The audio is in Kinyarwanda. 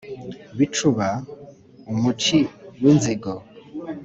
bicuba, umuci w’inzigo